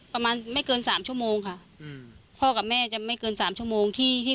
ประมาณไม่เกินสามชั่วโมงค่ะอืมพ่อกับแม่จะไม่เกินสามชั่วโมงที่ที่